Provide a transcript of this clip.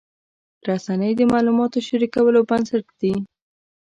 رسنۍ د معلوماتو شریکولو بنسټ دي.